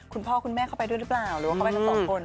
คุณพ่อคุณแม่เข้าไปด้วยหรือเปล่าหรือว่าเขาไปทั้งสองคน